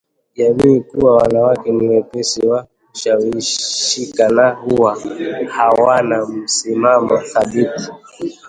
jamii kuwa wanawake ni wepesi wa kushawishika na huwa hawana msimamo dhabiti